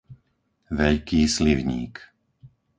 Veľký Slivník